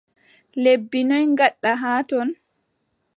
Lebbi noy gaɗɗa haa ton ?